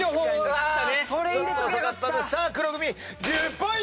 さあ黒組１０ポイント！